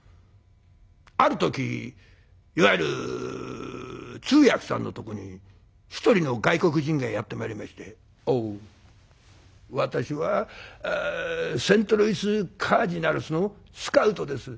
ある時いわゆる通訳さんのとこに１人の外国人がやって参りまして「オウ私はセントルイス・カージナルスのスカウトです。